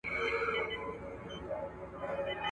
نامردان د مړو لاري وهي.